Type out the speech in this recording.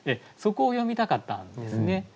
そこを詠みたかったんですね。